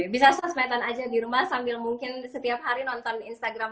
bisa sosmedan aja di rumah sambil mungkin setiap hari nonton instagram